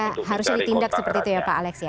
bisa harusnya ditindak seperti itu ya pak alex